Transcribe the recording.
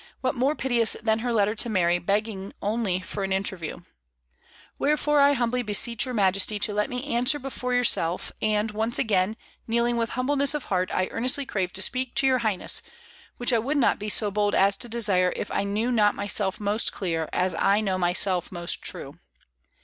What more piteous than her letter to Mary, begging only for an interview: "Wherefore I humbly beseech your Majesty to let me answer before yourself; and, once again kneeling with humbleness of heart, I earnestly crave to speak to your Highness, which I would not be so bold as to desire if I knew not myself most clear, as I know myself most true."